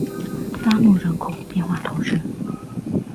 拉穆人口变化图示